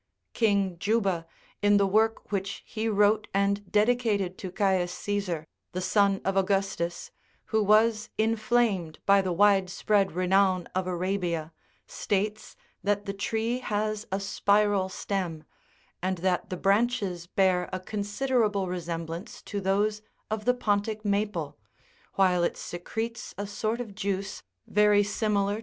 King Juba, in the work which he wrote and dedicated to Caius Caesar, the son of Augustus, who was inflamed by the wide spread renown of Arabia, states, that the tree has a spiral stem, and that the branches bear a considerable resemblance to those of the Pontic maple, while it secretes a sort of juice very similar to that of 9" See B.